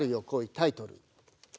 タイトル